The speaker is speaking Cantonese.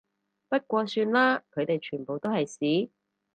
不過算啦，佢哋全部都係屎